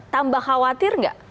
tambah khawatir nggak